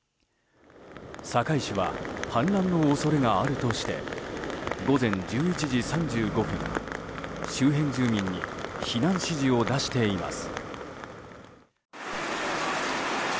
堺市は氾濫の恐れがあるとして午前１１時３５分、周辺住民に避難指示を出しています。